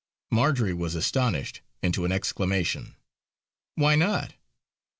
Marjory was astonished into an exclamation: "Why not?"